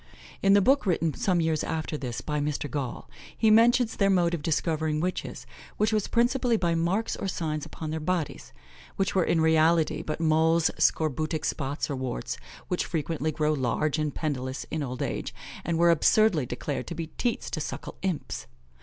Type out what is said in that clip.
In the book written some years after this, by Mr. Gaul, he mentions their mode of discovering witches, which was principally by marks or signs upon their bodies, which were in reality but moles, scorbutic spots, or warts, which frequently grow large and pendulous in old age, and were absurdly declared to be teats to suckle imps.